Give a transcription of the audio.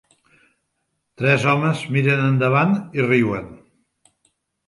Tres homes miren endavant i riuen.